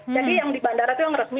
jadi yang di bandara itu yang resmi